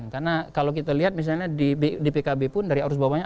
karena kalau kita lihat misalnya di pkb pun dari arus bawahnya